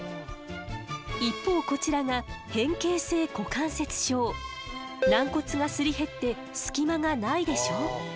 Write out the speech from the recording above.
一方こちらが軟骨がすり減って隙間がないでしょう？